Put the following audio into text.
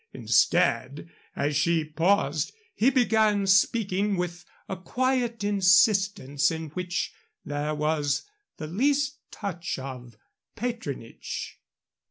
Instead, as she paused he began speaking, with a quiet insistence in which there was the least touch of patronage.